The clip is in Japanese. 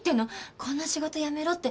こんな仕事辞めろって。